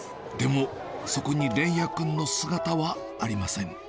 でも、そこに連也君の姿はありません。